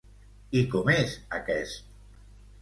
I com és aquest?